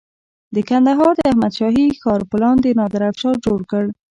د کندهار د احمد شاهي ښار پلان د نادر افشار جوړ کړ